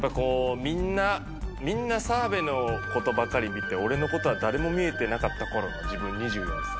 みんな澤部のことばかり見て俺のことは誰も見えてなかった頃の自分２４才。